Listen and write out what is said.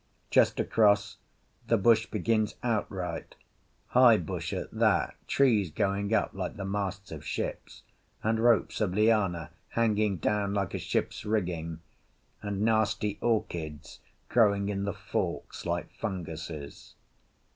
Just across, the bush begins outright; high bush at that, trees going up like the masts of ships, and ropes of liana hanging down like a ship's rigging, and nasty orchids growing in the forks like funguses.